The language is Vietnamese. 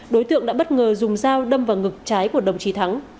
đối tượng đã bất ngờ dùng dao đâm vào ngực trái của đồng chí thắng